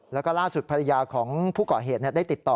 แล้วก็ล่าสุดภรรยาของผู้ก่อเหตุได้ติดต่อ